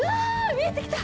見えてきた！